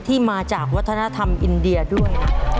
ที่มาจากวัฒนธรรมอินเดียด้วย